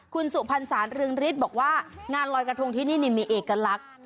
คุณสุพรรณสารเรืองฤทธิ์บอกว่างานลอยกระทงที่นี่มีเอกลักษณ์